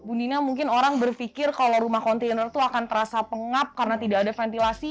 bu nina mungkin orang berpikir kalau rumah kontainer itu akan terasa pengap karena tidak ada ventilasi